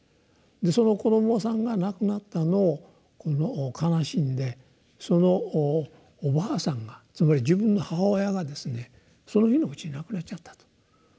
その子どもさんが亡くなったのを悲しんでそのおばあさんがつまり自分の母親がですねその日のうちに亡くなっちゃったと。